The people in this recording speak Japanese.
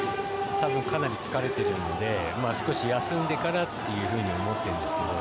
たぶんかなり、つかれているので少し休んでからというふうに思ってるんですね。